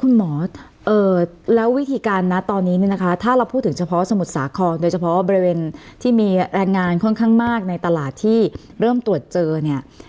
คุณหมอแล้ววิธีการนะตอนนี้เนี่ยนะคะถ้าเราพูดถึงเฉพาะสมุทรสาครโดยเฉพาะบริเวณที่มีแรงงานค่อนข้างมากในตลาดที่เริ่มตรวจเจอเนี่ย